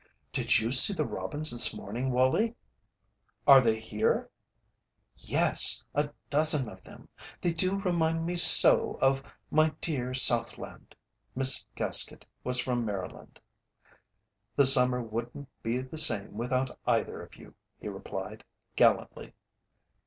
"Did you see the robins this morning, Wallie?" "Are they here?" "Yes, a dozen of them. They do remind me so of my dear Southland." Miss Gaskett was from Maryland. "The summer wouldn't be the same without either of you," he replied, gallantly.